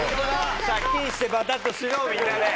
借金してバタッと死のうみんなで。